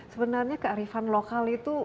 sebenarnya kearifan lokal itu